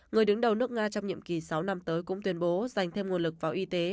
người đứng đầu nước nga trong nhiệm kỳ sáu năm tới cũng tuyên bố dành thêm nguồn lực vào y tế